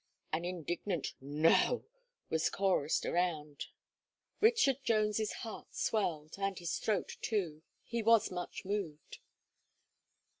An indignant "no," was chorused around. Richard Jones's heart swelled, and his throat too. He was much moved.